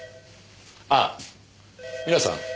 ああ皆さん